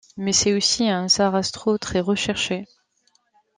Mais c'est aussi un Sarastro très recherché.